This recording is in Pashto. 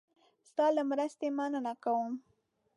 ستا له مرستې مننه کوم.